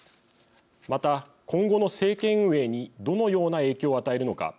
また、今後の政権運営にどのような影響を与えるのか。